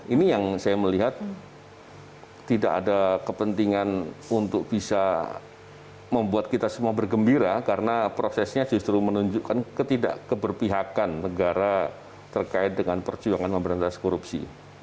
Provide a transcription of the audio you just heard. ini yang saya melihat tidak ada kepentingan untuk bisa membuat kita semua bergembira karena prosesnya justru menunjukkan ketidak keberpihakan negara terkait dengan perjuangan memberantas korupsi